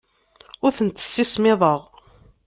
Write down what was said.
Ur tent-ssismiḍeɣ.